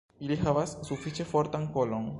Ili havas sufiĉe fortan kolon.